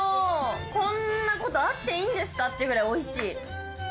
こんなことあっていいんですかってぐらいおいしい。